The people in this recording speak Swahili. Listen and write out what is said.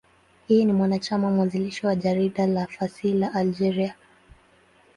Yeye ni mwanachama mwanzilishi wa jarida la fasihi la Algeria, L'Ivrescq.